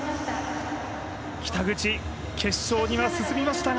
北口決勝には進みましたが